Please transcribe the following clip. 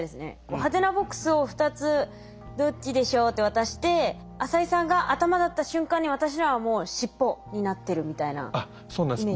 「はてなボックス」を２つ「どっちでしょう？」って渡して浅井さんが頭だった瞬間に私のはもう尻尾になってるみたいなイメージですかね？